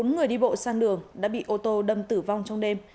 bốn người đi bộ sang đường đã bị ô tô đâm tử vong trong đêm